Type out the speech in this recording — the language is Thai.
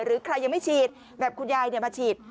หรือใครยังไม่ฉีดแบบคุณยายมาฉีด